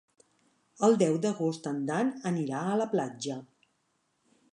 El deu d'agost en Dan anirà a la platja.